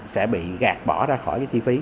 sẽ bị gạt bỏ ra khỏi cái thi phí